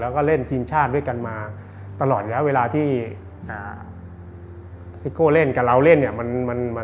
แล้วก็เล่นทีมชาติด้วยกันมาตลอดแล้วเวลาที่ซิโก้เล่นกับเราเล่นเนี่ย